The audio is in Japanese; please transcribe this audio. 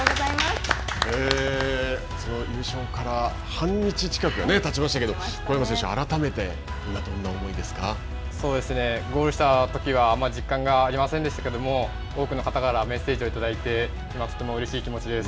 優勝から半日近くがたちましたけど、小山選手、ゴールしたときはあまり実感がありませんでしたけれども、多くの方からメッセージをいただいて、うれしい気持ちです。